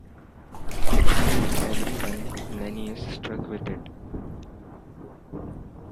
It killed everyone Nennius struck with it.